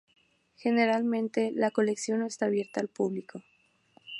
Generalmente la colección no está abierta al público.